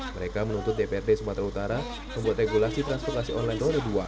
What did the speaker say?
mereka menuntut dprd sumatera utara membuat regulasi transportasi online roda dua